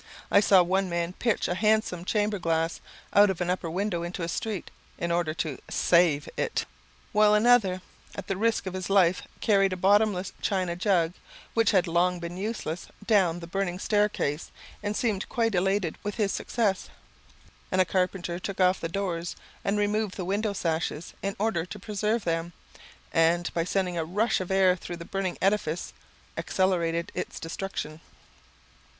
I saw one man pitch a handsome chamber glass out of an upper window into the street, in order to save it; while another, at the risk of his life, carried a bottomless china jug, which had long been useless, down the burning staircase, and seemed quite elated with his success; and a carpenter took off the doors, and removed the window sashes, in order to preserve them, and, by sending a rush of air through the burning edifice, accelerated its destruction.